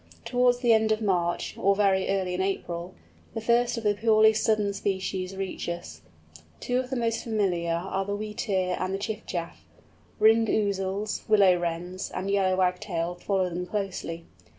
Towards the end of March, or very early in April, the first of the purely southern species reach us. Two of the most familiar are the Wheatear and the Chiffchaff; Ring Ouzels, Willow Wrens, and Yellow Wagtails follow them closely.